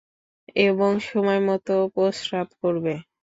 এবং সময়মতো প্রস্রাব করবে।